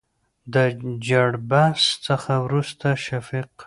دجړبحث څخه ورورسته شفيق